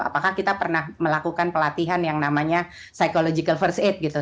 apakah kita pernah melakukan pelatihan yang namanya psychological first aid gitu